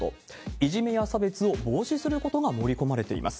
いじめや差別を防止することが盛り込まれています。